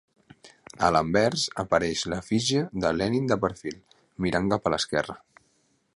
A l'anvers apareix l'efígie de Lenin de perfil, mirant cap a l'esquerra.